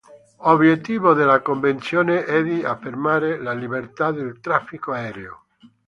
Obiettivo della Convenzione è di affermare la libertà del traffico aereo.